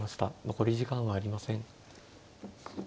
残り時間はありません。